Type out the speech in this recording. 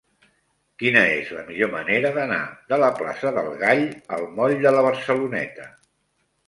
Quina és la millor manera d'anar de la plaça del Gall al moll de la Barceloneta?